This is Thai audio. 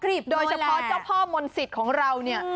กรีบโนแลโดยเฉพาะเจ้าพ่อมนศิษย์ของเราเนี่ย